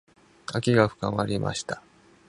秋が深まりました。